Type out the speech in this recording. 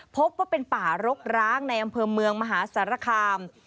พบว่าเป็นป่ารกร้างในอำเภอเมืองมหาสารคาม